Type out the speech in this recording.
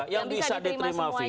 yang bisa diterima semuanya